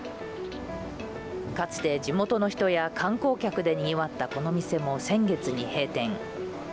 かつて、地元の人や観光客でにぎわったこの店も先月に閉店。